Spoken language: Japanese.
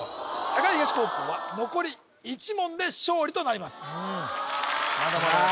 栄東高校は残り１問で勝利となりますさあ